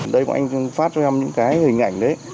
đây bọn anh phát cho em những cái hình ảnh đấy